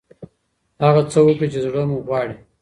هغه څه وکړئ چې زړه مو غواړي.